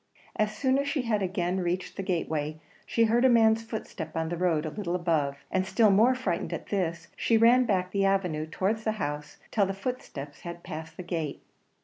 As soon as she had again reached the gateway she heard a man's footstep on the road a little above; and still more frightened at this, she ran back the avenue towards the house till the footsteps had passed the gate.